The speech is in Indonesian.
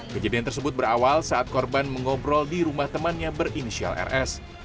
kejadian tersebut berawal saat korban mengobrol di rumah temannya berinisial rs